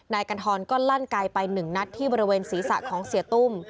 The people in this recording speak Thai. กันทรก็ลั่นไกลไป๑นัดที่บริเวณศีรษะของเสียตุ้ม